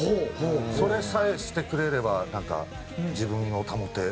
それさえしてくれればなんか自分を保てられる。